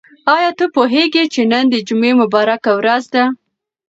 آیا ته پوهېږې چې نن د جمعې مبارکه ورځ ده؟